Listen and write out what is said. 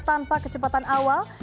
tanpa kecepatan awal